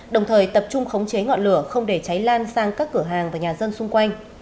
đồng thời tập trung khống chế ngọn lửa không để cháy lan sang các cửa hàng và nhà dân xung quanh